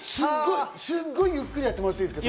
すごいゆっくりやってもらっていいですか？